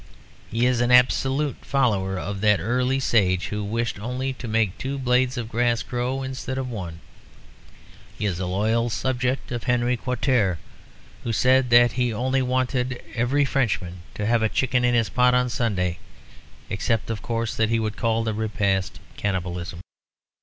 He is an absolute follower of that early sage who wished only to make two blades of grass grow instead of one. He is a loyal subject of Henri Quatre, who said that he only wanted every Frenchman to have a chicken in his pot on Sunday; except, of course, that he would call the repast cannibalism.